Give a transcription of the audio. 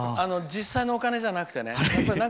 実際のお金じゃなくて。